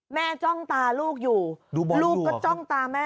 จ้องตาลูกอยู่ลูกก็จ้องตาแม่